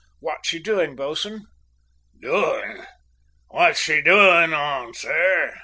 "What's she doing, bo'sun?" "Doing? Wot she's a doing on, sir?"